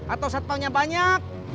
atau satpaunya banyak